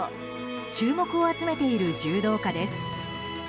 注目を集めている柔道家です。